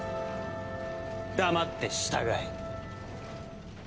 黙って従え。